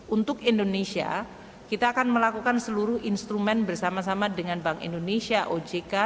untuk indonesia kita akan melakukan seluruh instrumen bersama sama dengan bank indonesia ojk